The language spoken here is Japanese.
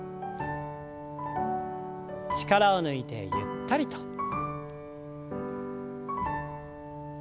力を抜いてゆったりと。